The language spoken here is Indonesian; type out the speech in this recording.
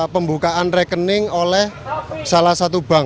pembukaan rekening oleh salah satu bank